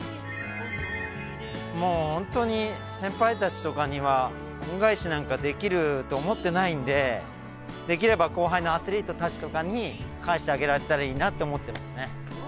もうホントに先輩たちとかには恩返しなんかできると思ってないんでできれば後輩のアスリートたちとかに返してあげられたらいいなって思ってますね。